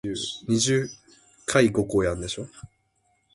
Her impresario was Bruno Coquatrix.